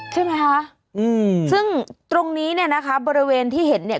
ใช่ไหมคะอืมซึ่งตรงนี้เนี่ยนะคะบริเวณที่เห็นเนี่ย